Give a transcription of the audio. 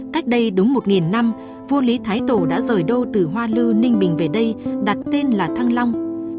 cách đây đúng một năm vua lý thái tổ đã rời đô từ hoa lư ninh bình về đây đặt tên là thăng long